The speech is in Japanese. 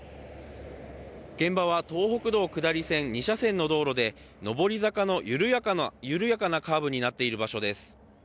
現場は東北道下り線２車線の道路で上り坂の緩やかなカーブになっている場所です。